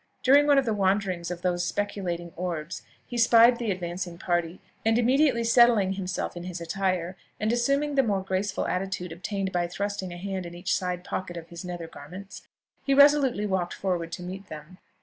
During one of the wanderings of those speculating orbs, he spied the advancing party; and immediately settling himself in his attire, and assuming the more graceful attitude obtained by thrusting a hand in each side pocket of his nether garments, he resolutely walked forward to meet them.